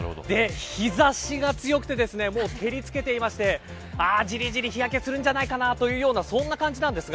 日差しが強くて照りつけていましてじりじり日焼けするんじゃないかというような感じです。